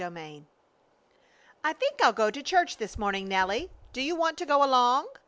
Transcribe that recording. CHAPTER IV "I think I'll go to church this morning, Nelly. Do you want to go along?"